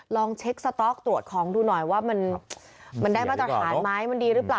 ลองเช็คสต๊อกตรวจของดูหน่อยว่ามันได้มาตรฐานไหมมันดีหรือเปล่า